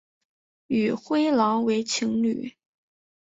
与灰狼为情侣。